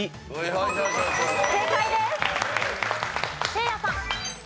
せいやさん。